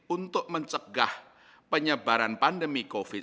untuk mencegah penyebaran pandemi covid sembilan belas